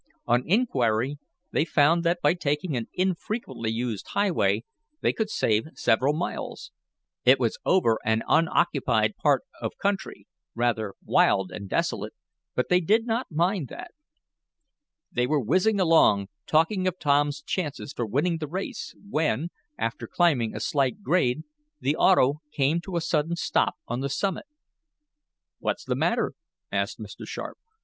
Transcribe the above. On inquiry they found that by taking an infrequently used highway, they could save several miles. It was over an unoccupied part of country, rather wild and desolate, but they did not mind that. They were whizzing along, talking of Tom's chances for winning the race when, after climbing a slight grade, the auto came to a sudden stop on the summit. "What's the matter?" asked Mr. Sharp.